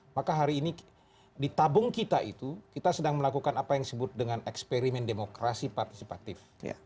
maka hari ini di tabung kita itu kita sedang melakukan apa yang disebut dengan eksperimen demokrasi partisipatif